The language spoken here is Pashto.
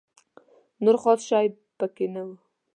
نور خاص شی په کې نه و.